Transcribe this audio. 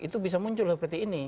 itu bisa muncul seperti ini